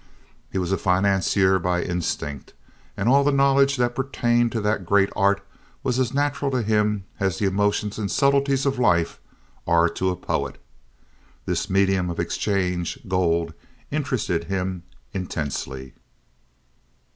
He was a financier by instinct, and all the knowledge that pertained to that great art was as natural to him as the emotions and subtleties of life are to a poet. This medium of exchange, gold, interested him intensely.